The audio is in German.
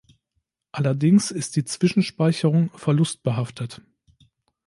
Allerdings ist die Zwischenspeicherung verlustbehaftet.